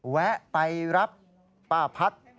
แวะไปรับป้าพัฒน์